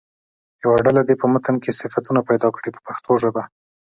یوه ډله دې په متن کې صفتونه پیدا کړي په پښتو ژبه.